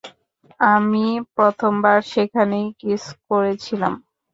আমি প্রথমবার সেখানেই কিস করেছিলাম।